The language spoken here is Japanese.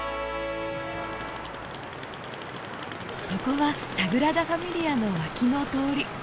ここはサグラダ・ファミリアの脇の通り。